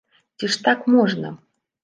Ці ж так можна?